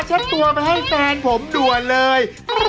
เช็ดตัวไปให้แฟนผมด่วนเลย